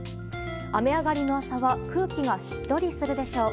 雨上がりの朝は空気がしっとりするでしょう。